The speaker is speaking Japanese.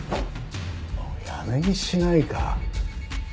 もうやめにしないか。